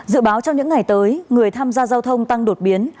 dự báo trong những ngày tới người tham gia giao thông tăng đột biến